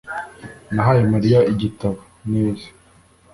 nahaye mariya igitabo. neza